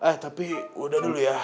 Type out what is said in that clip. eh tapi udah dulu ya